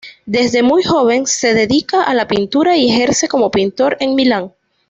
Desde muy joven se dedica a la pintura y ejerce como pintor en Milán.